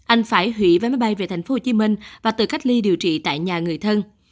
anh phải hủy vé máy bay về tp hcm và tự cách ly điều trị tại nhà người thân